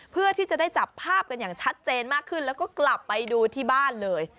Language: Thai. เพื่อที่จะได้จับภาพกันอย่างชัดเจนมากขึ้นแล้วก็กลับไปดูที่บ้านเลย